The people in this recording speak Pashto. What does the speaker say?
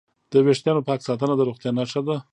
د وېښتانو پاک ساتنه د روغتیا نښه ده.